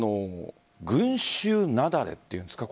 群集雪崩というんですか？